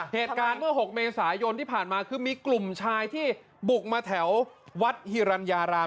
เหตุการณ์เมื่อ๖เมษายนที่ผ่านมาคือมีกลุ่มชายที่บุกมาแถววัดฮิรัญญาราม